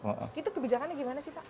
itu kebijakannya gimana sih pak